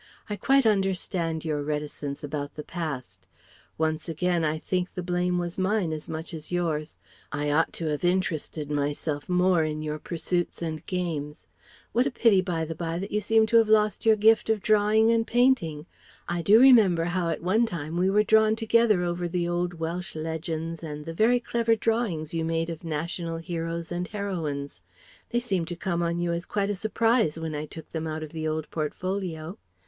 I quite understand your reticence about the past. Once again I think the blame was mine as much as yours. I ought to have interested myself more in your pursuits and games ... what a pity, by the bye, that you seem to have lost your gift of drawing and painting! I do remember how at one time we were drawn together over the old Welsh legends and the very clever drawings you made of national heroes and heroines they seemed to come on you as quite a surprise when I took them out of the old portfolio.